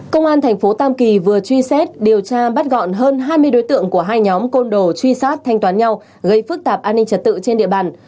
công an thành phố tam kỳ vừa truy xét điều tra bắt gọn hơn hai mươi đối tượng của hai nhóm côn đồ truy sát thanh toán nhau gây phức tạp an ninh trật tự trên địa bàn